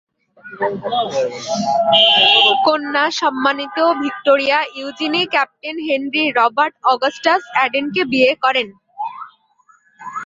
কন্যা, সম্মানিত Victoria Eugenie, captain Henry Robert Augustus অ্যাডেনকে বিয়ে করেন।